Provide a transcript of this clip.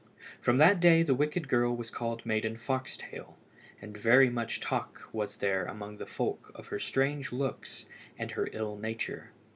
From that day the wicked girl was called Maiden Foxtail, and very much talk was there among the folk of her strange looks and her ill nature.